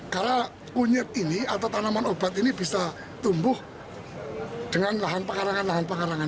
karena kunyit ini atau tanaman obat ini bisa tumbuh dengan lahan pekarangan lahan pekarangan